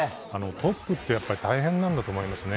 トップって大変だと思いますね。